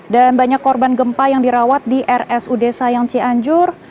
dan banyak korban gempa yang dirawat di rsu desa yang cianjur